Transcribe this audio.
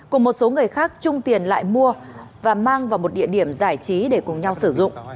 cùng một số người khác chung tiền lại mua và mang vào một địa điểm giải trí để cùng nhau sử dụng